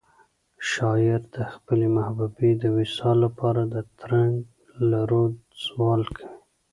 شاعر د خپلې محبوبې د وصال لپاره د ترنګ له روده سوال کوي.